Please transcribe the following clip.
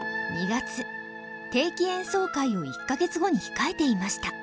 定期演奏会を１か月後に控えていました。